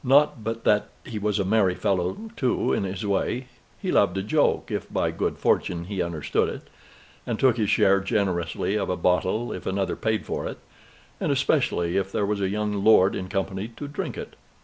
Not but that he was a merry fellow, too, in his way; he loved a joke, if by good fortune he understood it, and took his share generously of a bottle if another paid for it, and especially if there was a young lord in company to drink it.